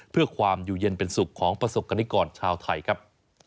เพื่อความอยู่เย็นเป็นสุขของประสบกรณิกรชาวไทยครับ